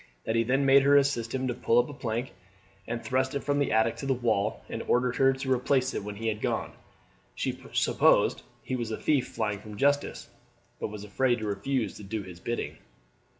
That he then made her assist him to pull up a plank, and thrust it from the attic to the wall, and ordered her to replace it when he had gone. She supposed he was a thief flying from justice, but was afraid to refuse to do his bidding.